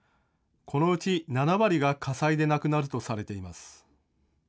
このうち７割が火災で亡くなるとされています。